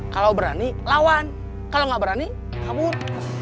kalau berani lawan kalau nggak berani kabur